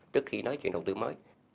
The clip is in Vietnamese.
trước khi nói chuyện đầu tư mới